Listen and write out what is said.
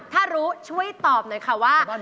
ถ้ารู้ช่วยตอบหน่อยค่ะว่า